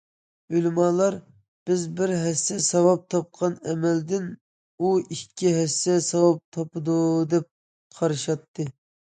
ئۆلىمالار« بىز بىر ھەسسە ساۋاب تاپقان ئەمەلدىن ئۇ ئىككى ھەسسە ساۋاب تاپىدۇ» دەپ قارىشاتتى.